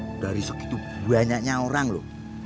udah riset itu banyaknya orang loh